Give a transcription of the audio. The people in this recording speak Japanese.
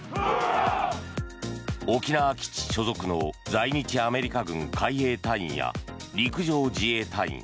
沖縄基地所属の在日アメリカ軍海兵隊員や陸上自衛隊員